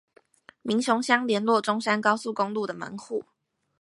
民雄鄉聯絡中山高速公路的門戶